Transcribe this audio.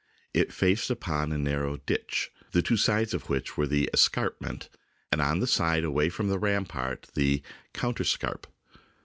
It faced upon a narrow " ditch," the two sides of which were the " escarpment," and on the side away from the ram part, the " counterscarp."